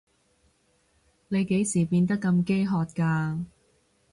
你幾時變到咁飢渴㗎？